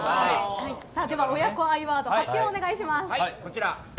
では、親子愛ワード発表をお願いします。